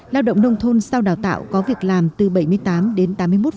lao động nông thôn sau đào tạo có việc làm từ bảy mươi tám đến tám mươi một